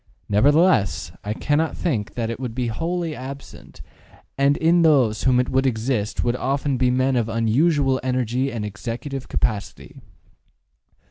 Nevertheless, I cannot think that it would be wholly absent, and those in whom it would exist would often be men of unusual energy and executive capacity.